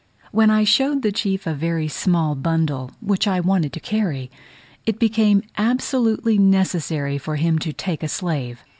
When I showed the chief a very small bundle, which I wanted carried, it became absolutely necessary for him to take a slave.